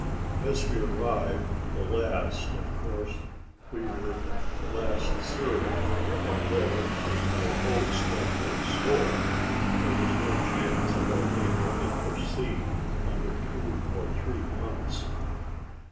As we arrived the last, of course we were last served; and, there being no boats left in store, there was no chance of our being ready for sea under two or three months.